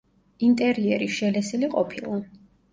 ინტერიერი შელესილი ყოფილა.